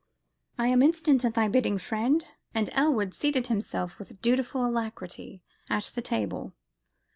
"I am instant at thy bidding, friend," and Elwood seated himself with dutiful alacrity at the table.